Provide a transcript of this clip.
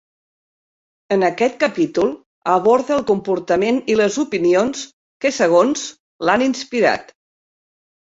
En aquest capítol aborda el comportament i les opinions que segons l'han inspirat.